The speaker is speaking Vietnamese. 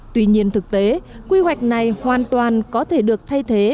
tuy nhiên thực tế quy hoạch này hoàn toàn có thể được thay thế